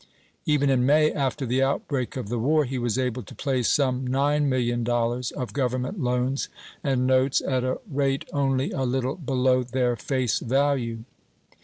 Even in May, after the outbreak of the war, he was able to place some $9,000,000 of Government loans and notes at a rate only a little below their face value.